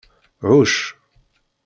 Hucc.